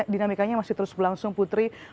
dinamikanya masih terus berlangsung putri